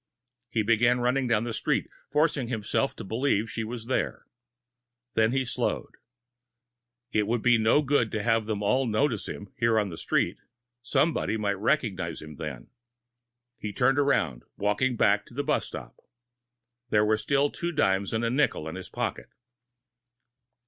He began running down the street, forcing himself to believe she was there. Then he slowed. It would do no good to have them all notice him, here on the street. Someone might recognize him then. He turned around, walking back to the bus stop. There were still two dimes and a nickel in his pocket.